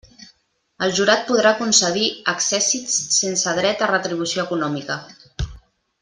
El jurat podrà concedir accèssits sense dret a retribució econòmica.